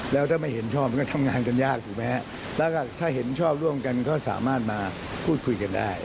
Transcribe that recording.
แล้วถ้าไม่เห็นชอบมันก็ทำงานกันยากถูกไหมฮะแล้วก็ถ้าเห็นชอบร่วมกันก็สามารถมาพูดคุยกันได้